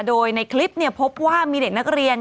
โดยในคลิปพบว่ามีเด็กนักเรียน